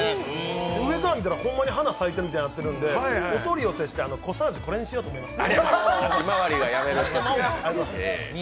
上から見たら花咲いてるみたいになってるんでお取り寄せして、コサージュこれにしようと思います。